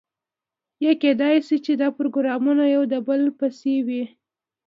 یا کیدای شي چې دا پروګرامونه یو د بل پسې وي.